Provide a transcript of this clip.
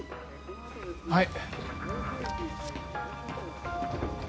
はい。